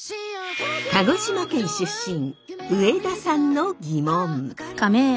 鹿児島県出身上田さんのギモン。